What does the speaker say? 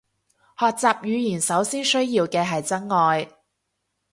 學習語言首先需要嘅係真愛